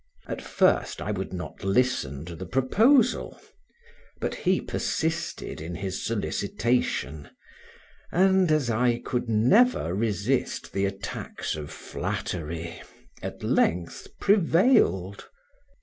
At first I would not listen to the proposal; but he persisted in his solicitation, and as I could never resist the attacks of flattery, at length prevailed.